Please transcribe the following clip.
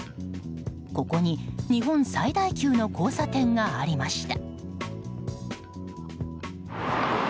ここに日本最大級の交差点がありました。